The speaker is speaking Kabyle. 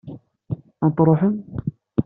Ad n-truḥem?